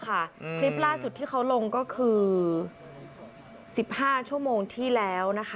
คลิปล่าสุดที่เขาลงก็คือ๑๕ชั่วโมงที่แล้วนะคะ